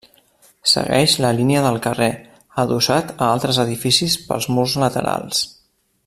Segueix la línia del carrer, adossat a altres edificis pels murs laterals.